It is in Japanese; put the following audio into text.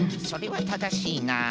それはただしいな。